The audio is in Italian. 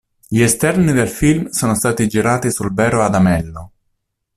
Gli esterni del film sono stati girati sul vero Adamello.